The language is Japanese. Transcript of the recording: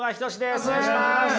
お願いします。